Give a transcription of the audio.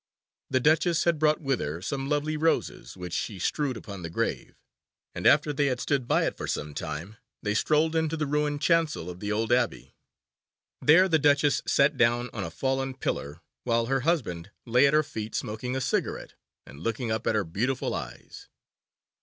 The Duchess had brought with her some lovely roses, which she strewed upon the grave, and after they had stood by it for some time they strolled into the ruined chancel of the old abbey. There the Duchess sat down on a fallen pillar, while her husband lay at her feet smoking a cigarette and looking up at her beautiful eyes.